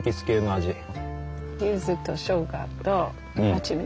ゆずとしょうがと蜂蜜。